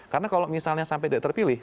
karena kalau misalnya sampai tidak terpilih